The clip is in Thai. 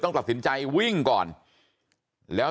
บอกแล้วบอกแล้วบอกแล้ว